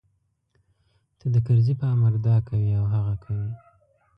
ته د کرزي په امر دا کوې او هغه کوې.